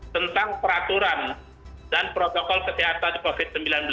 tentang peraturan dan protokol kesehatan covid sembilan belas